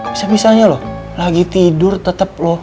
bisa bisanya loh lagi tidur tetep loh